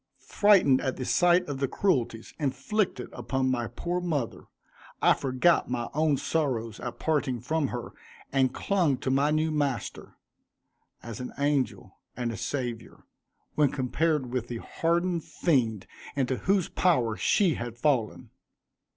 Frightened at the sight of the cruelties inflicted upon my poor mother, I forgot my own sorrows at parting from her and clung to my new master, as an angel and a saviour, when compared with the hardened fiend into whose power she had fallen.